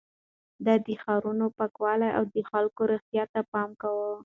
ده د ښارونو پاکوالي او د خلکو روغتيا ته پام کاوه.